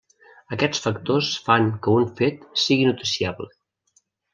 Aquests factors fan que un fet sigui noticiable.